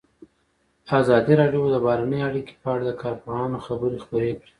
ازادي راډیو د بهرنۍ اړیکې په اړه د کارپوهانو خبرې خپرې کړي.